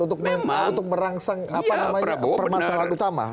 untuk merangsang permasalahan utama